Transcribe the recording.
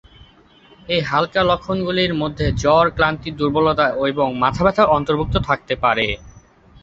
এই হালকা লক্ষণগুলির মধ্যে জ্বর, ক্লান্তি, দুর্বলতা এবং মাথাব্যথা অন্তর্ভুক্ত থাকতে পারে।